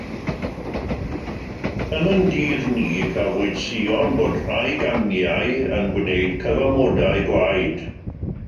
Yn ein dydd ni, cafwyd sïon bod rhai gangiau yn gwneud cyfamodau gwaed.